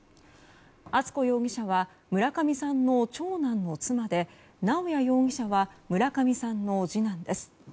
敦子容疑者は村上さんの長男の妻で直哉容疑者は村上さんの次男です。